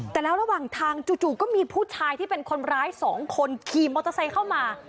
แต่แล้วระหว่างทางจู่ก็มีผู้ชายที่เป็นคนร้ายสองคนขี่มอเตอร์ไซค์เข้ามา